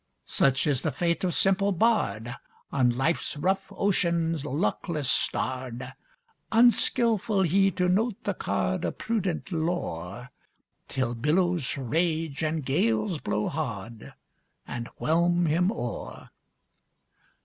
Such is the fate of simple bard, On life's rough ocean luckless starred! Unskillful he to note the card Of prudent lore, Till billows rage, and gales blow hard, And whelm him o'er!